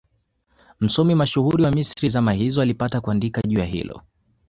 Msomi mashuhuri wa Misri zama hizo alipata kuandika juu ya hilo